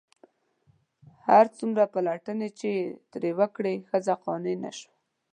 هر څومره پلټنې چې یې ترې وکړې ښځه قانع نه شوه.